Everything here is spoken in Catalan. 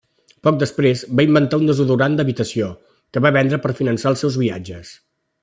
Poc després, va inventar un desodorant d'habitació, que va vendre per finançar els seus viatges.